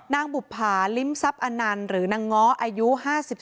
บุภาลิ้มทรัพย์อนันต์หรือนางง้ออายุ๕๓